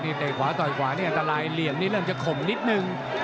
เตะขวาต่อยขวานี่อันตรายเหลี่ยมนี่เริ่มจะข่มนิดนึง